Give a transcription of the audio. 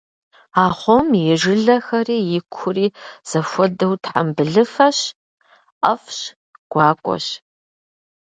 Ахъом и жылэхэри икури зэхуэдэу тхьэмбылыфэщ, ӏэфӏщ, гуакӏуэщ.